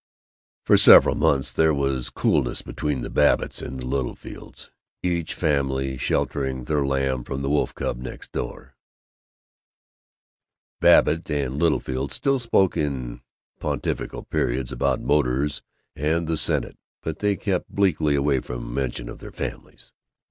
For several months there was coolness between the Babbitts and the Littlefields, each family sheltering their lamb from the wolf cub next door. Babbitt and Littlefield still spoke in pontifical periods about motors and the senate, but they kept bleakly away from mention of their families.